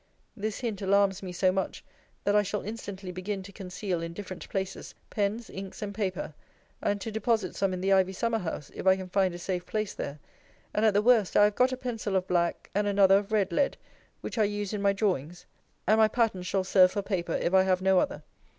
This hint alarms me so much, that I shall instantly begin to conceal, in different places, pens, inks, and paper; and to deposit some in the ivy summer house, if I can find a safe place there; and, at the worst, I have got a pencil of black, and another of red lead, which I use in my drawings; and my patterns shall serve for paper, if I have no other.